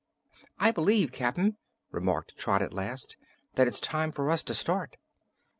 "I b'lieve, Cap'n," remarked Trot, at last, "that it's time for us to start."